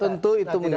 tentu itu mengikat